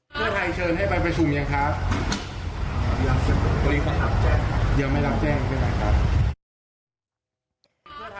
เชิญให้ไปประชุมอย่างครับยังไม่รับแจ้ง